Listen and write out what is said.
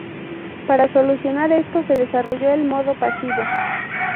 Para solucionar esto se desarrolló el modo "pasivo".